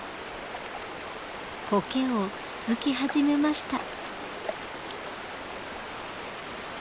コケをつつき始めました。